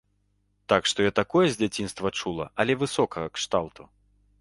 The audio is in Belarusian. Так што я такое з дзяцінства чула, але высокага кшталту.